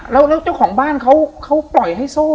แล้วเจ้าของบ้านเขาปล่อยให้โซ่